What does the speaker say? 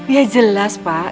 ya jelas pak